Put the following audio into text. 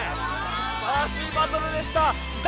すばらしいバトルでした。